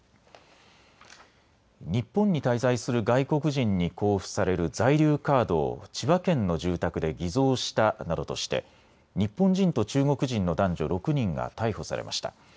日本に滞在する外国人に交付される在留カードを千葉県の住宅で偽造したなどとして日本人と中国人の男女６人が逮捕されました。